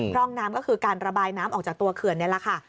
ร่องน้ำก็คือการระบายน้ำออกจากตัวเขื่อนนี่แหละค่ะ